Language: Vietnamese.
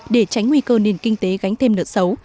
để tránh nguy cơ nền kinh tế gánh thêm nợ xấu